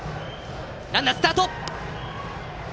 ランナー、スタート！